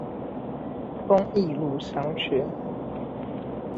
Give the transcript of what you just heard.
公益路商圈